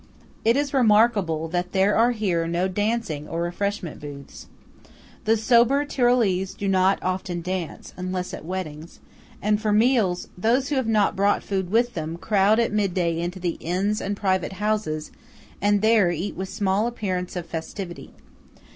It is remarkable that there are here no dancing or refreshment booths. The sober Tyrolese do not often dance, unless at weddings; and for meals, those who have not brought food with them, crowd at midday into the inns and private houses, and there eat with small appearance of festivity.